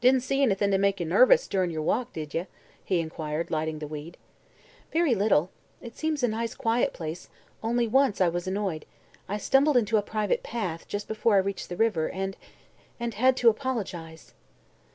"Didn't see anything to make ye nervous, durin' yer walk, did ye?" he inquired, lighting the weed. "Very little. It seems a nice, quiet place. Only once was I annoyed. I stumbled into a private path, just before I reached the river, and and had to apologize."